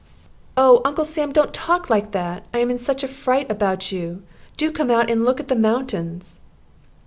"Oh, Uncle Sam, don't talk like that. I am in such a fright about you. Do come out and look at the mountains."